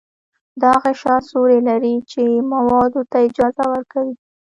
دا غشا سوري لري چې موادو ته اجازه ورکوي.